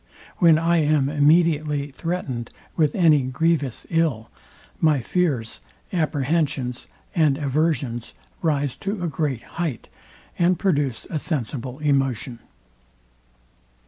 When I am immediately threatened with any grievous ill, my fears, apprehensions, and aversions rise to a great height, and produce a sensible emotion.